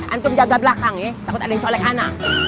antum jaga belakang ya takut ada yang colek anak